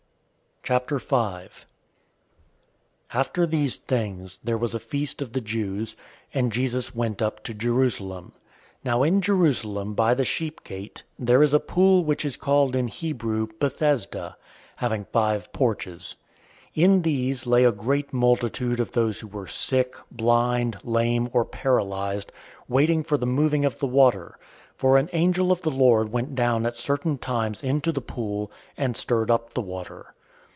005:001 After these things, there was a feast of the Jews, and Jesus went up to Jerusalem. 005:002 Now in Jerusalem by the sheep gate, there is a pool, which is called in Hebrew, "Bethesda," having five porches. 005:003 In these lay a great multitude of those who were sick, blind, lame, or paralyzed, waiting for the moving of the water; 005:004 for an angel of the Lord went down at certain times into the pool, and stirred up the water.